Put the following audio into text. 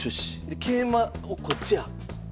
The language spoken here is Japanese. で桂馬をこっちや。